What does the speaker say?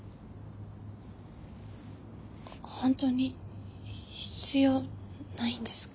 ほんとに必要ないんですか？